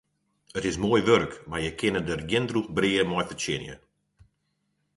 It is moai wurk, mar je kinne der gjin drûch brea mei fertsjinje.